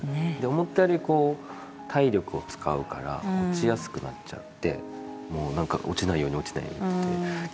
思ったよりこう体力を使うから落ちやすくなっちゃってもうなんか落ちないように落ちないようにって。